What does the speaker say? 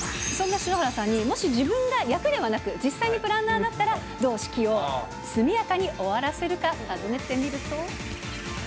そんな篠原さんに、もし自分が役ではなく、実際にプランナーだったら、どう式を速やかに終わらせるか、尋ねてみると。